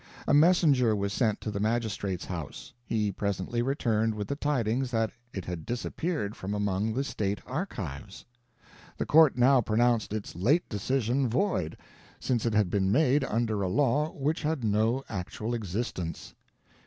A messenger was sent to the magistrate's house; he presently returned with the tidings that it had disappeared from among the state archives. The court now pronounced its late decision void, since it had been made under a law which had no actual existence.